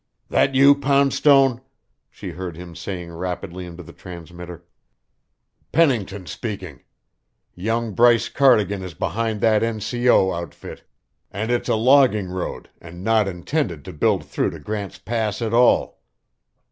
"That you, Poundstone?" she heard him saying rapidly into the transmitter. "Pennington speaking. Young Bryce Cardigan is behind that N.C.O. outfit, and it's a logging road and not intended to build through to Grant's Pass at all.